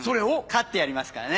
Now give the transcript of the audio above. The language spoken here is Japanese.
勝ってやりますからね。